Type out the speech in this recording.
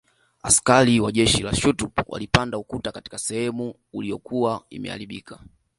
Askari wa jeshi la Schutztruppe walipanda ukuta katika sehemu uliyokuwa imeharibika